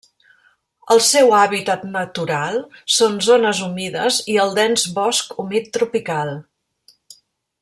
El seu hàbitat natural són zones humides i el dens bosc humit tropical.